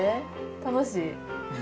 楽しい。